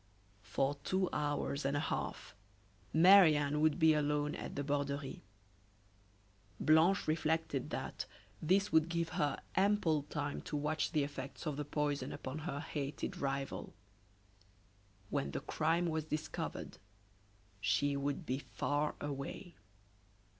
For two hours and a half Marie Anne would be alone at the Borderie. Blanche reflected that this would give her ample time to watch the effects of the poison upon her hated rival. When the crime was discovered she would be far away.